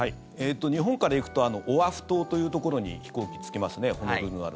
日本から行くとオアフ島というところに飛行機、着きますねホノルルのある。